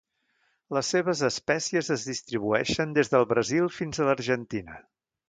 Les seves espècies es distribueixen des del Brasil fins a l'Argentina.